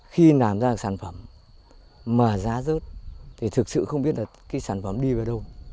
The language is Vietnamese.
khi làm ra sản phẩm mà giá rớt thì thực sự không biết là cái sản phẩm đi vào đâu